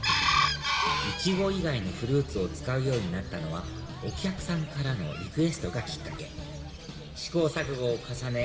イチゴ以外のフルーツを使うようになったのはお客さんからのリクエストがきっかけ試行錯誤を重ね